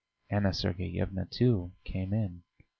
Anna Sergeyevna, too, came in.